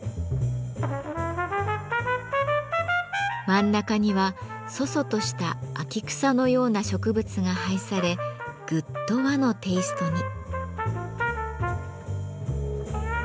真ん中には楚々とした秋草のような植物が配されぐっと和のテイストに。